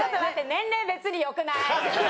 年齢別によくない？